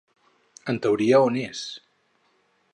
En teoria on és?